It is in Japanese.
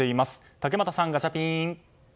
竹俣さん、ガチャピン。